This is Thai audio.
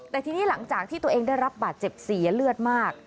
แต่ทีนี้หลังจากที่ตัวเองได้รับบาดเจ็บเสียเลือดมาก